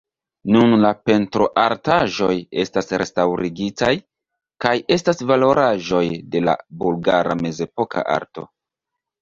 Nun la pentroartaĵoj estas restaŭritaj kaj estas valoraĵoj de la bulgara mezepoka arto.